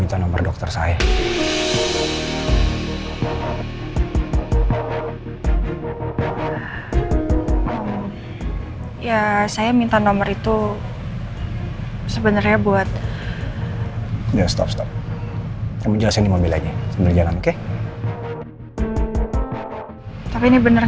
karena saya sama sekali gak keberatan